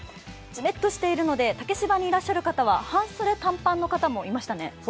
ジメッとしているので竹芝にいらっしゃる方は半袖短パンの方もいましたね。